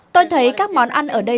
tôi thấy các món ăn ở đây